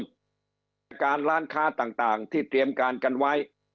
การร้านค้าต่างที่เตรียมการกันไว้